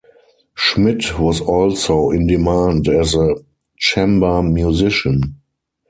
Schmidt was also in demand as a chamber musician.